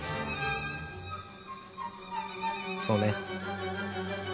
そうね。